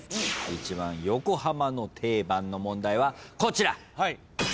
１番横浜の定番の問題はこちら。